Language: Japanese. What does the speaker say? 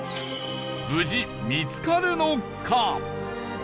無事見つかるのか？